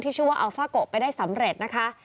ชื่อว่าอัลฟาโกะไปได้สำเร็จนะคะ